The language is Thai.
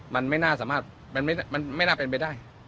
มันไม่น่าสามารถมันไม่น่าเป็นไปได้